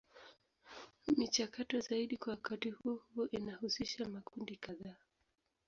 Michakato zaidi kwa wakati huo huo inahusisha makundi kadhaa.